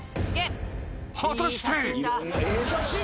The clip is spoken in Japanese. ［果たして］